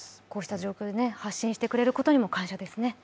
こうした状況を発信してくれることにも感謝ですね。